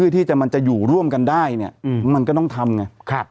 ที่มันจะอยู่ร่วมกันได้มันก็ต้องทำ